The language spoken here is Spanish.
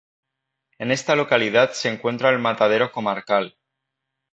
En esta localidad se encuentra el matadero comarcal.